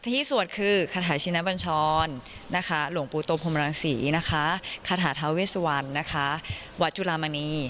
ที่สวดคือคาถาชินปัญชรหลวงปูตมพรหมดลังศรีคาถาทาเวสวรรณวัดจุลามันนี